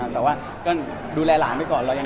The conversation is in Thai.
แต่ว่าก็ดูแลหลานไปก่อน